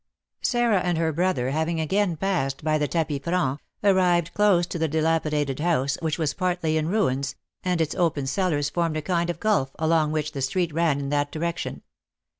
Sarah and her brother, having again passed by the tapis franc, arrived close to the dilapidated house, which was partly in ruins, and its opened cellars formed a kind of gulf, along which the street ran in that direction.